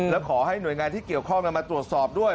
แล้วขอให้หน่วยงานที่เกี่ยวข้องมาตรวจสอบด้วย